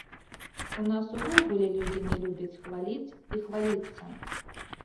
У нас увогуле людзі не любяць хваліць і хваліцца.